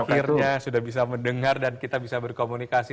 akhirnya sudah bisa mendengar dan kita bisa berkomunikasi